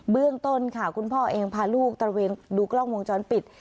เรื่องต้นค่ะคุณพ่อเองพาลูกตระเวนดูกล้องวงจรปิด